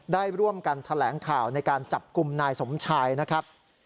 ได้ร่วมกันแถลงข่าวในการจับกลุ่มนายสมชายนะครับ